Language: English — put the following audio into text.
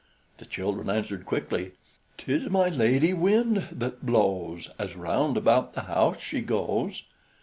The children answered quickly: "'Tis my Lady Wind that blows, As round about the house she goes."